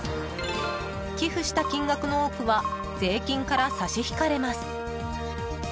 寄付した金額の多くは税金から差し引かれます。